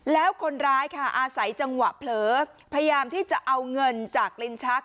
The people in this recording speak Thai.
แล้วคนร้ายค่ะอาศัยจังหวะเผลอพยายามที่จะเอาเงินจากลิ้นชัก